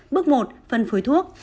bước một phân phối thuốc